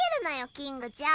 キングちゃん。